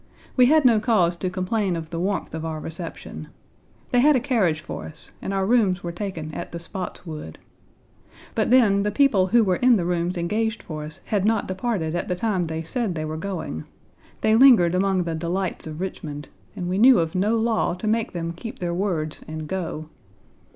We had no cause to complain of the warmth of our reception. They had a carriage for us, and our rooms were taken at the Spotswood. But then the people who were in the rooms engaged for us had not departed at the time they said they were going. They lingered among the delights of Richmond, and we knew of no law to make them keep their words and go.